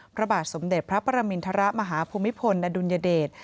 พระบาทสมเด็จพระประมินทรมาฮภูมิพลอดุลยเดช